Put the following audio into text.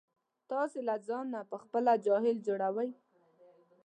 تاسې له ځانه په خپله جاهل جوړوئ.